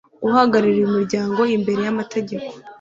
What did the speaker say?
uhagarariye umuryango imbere y'amategeko